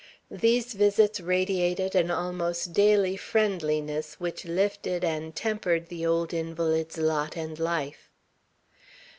These visits radiated an almost daily friendliness which lifted and tempered the old invalid's lot and life.